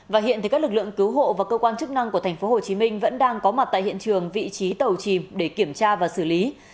và hiện các lực lượng cứu hộ và cơ quan chức năng của tp hcm vẫn đang có mặt tại hiện trường vị trí tàu chìm để kiểm tra và xử lý